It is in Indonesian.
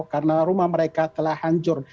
karena rumah mereka telah hancur